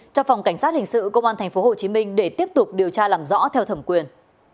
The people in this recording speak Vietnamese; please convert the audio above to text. cho phòng cảnh sát hình sự công an tp hcm để tiếp tục điều tra làm rõ theo thẩm quyền